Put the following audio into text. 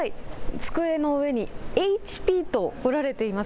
机の上にＨＰと彫られています。